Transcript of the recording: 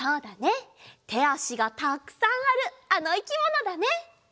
てあしがたくさんあるあのいきものだね。